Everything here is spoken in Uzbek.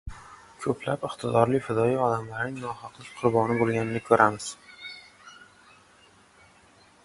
ko‘plab iqtidorli, fidoyi odamlarning nohaqlik qurboni bo‘lganligini ko‘ramiz.